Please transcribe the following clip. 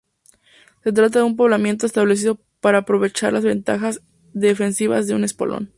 Se trata de un poblamiento establecido para aprovechar las ventajas defensivas de un espolón.